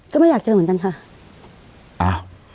ก็ไม่อยากเจอเหมือนกันค่ะ